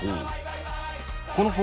この方法